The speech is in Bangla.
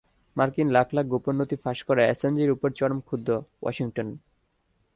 মার্কিন লাখ লাখ গোপন নথি ফাঁস করায় অ্যাসাঞ্জের ওপর চরম ক্ষুব্ধ ওয়াশিংটন।